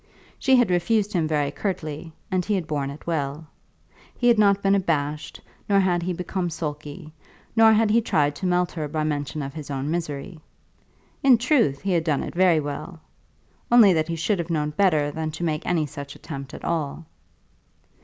She had refused him very curtly, and he had borne it well. He had not been abashed, nor had he become sulky, nor had he tried to melt her by mention of his own misery. In truth he had done it very well, only that he should have known better than to make any such attempt at all.